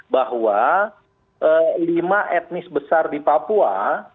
bahwa lima etnis besar di papua